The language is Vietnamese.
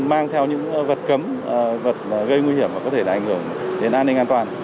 mang theo những vật cấm vật gây nguy hiểm và có thể là ảnh hưởng đến an ninh an toàn